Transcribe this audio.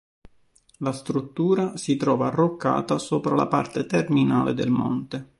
La struttura si trova arroccata sopra la parte terminale del monte.